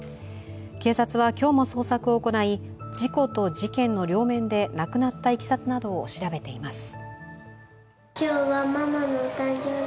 警察は今日も捜索を行い事故と事件の両面で亡くなったいきさつなどを調べています。